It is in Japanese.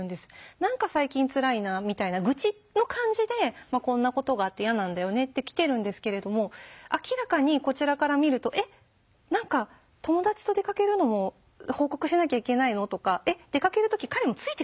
「何か最近つらいな」みたいな愚痴の感じでこんなことがあって嫌なんだよねって来てるんですけれども明らかにこちらから見ると「えっ何か友達と出かけるのも報告しなきゃいけないの？」とか「えっ出かける時彼もついてくるの？」